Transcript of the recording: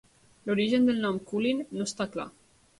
L'origen del nom Qulin no està clar.